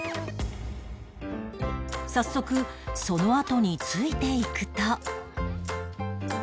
早速そのあとについていくと